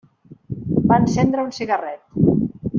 Va encendre un cigarret.